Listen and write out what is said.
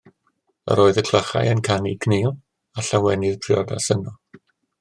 Yr oedd y clychau yn canu cnul, a llawenydd priodas yno.